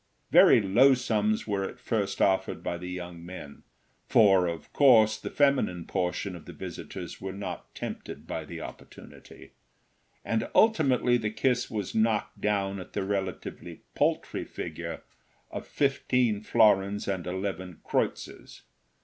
Very low sums were at first offered by the young men—for, of course, the feminine portion of the visitors were not tempted by the opportunity—and ultimately the kiss was knocked down at the relatively paltry figure of fifteen florins and eleven kreutzers.